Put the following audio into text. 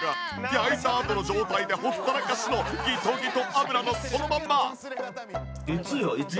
焼いたあとの状態でほったらかしのギトギト油もそのまんま！